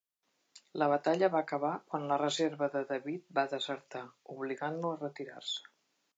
La batalla va acabar quan la reserva de David va desertar, obligant-lo a retirar-se.